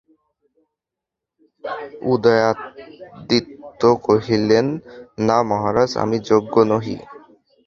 উদয়াদিত্য কহিলেন, না মহারাজ, আমি যোগ্য নহি।